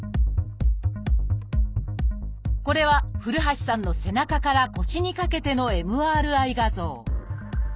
これは古橋さんの背中から腰にかけてのＭＲＩ画像。